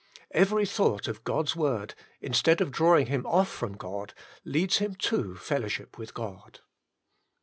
Every thought of God's Word, instead of drawing him off from God, leads him to fellowship with God.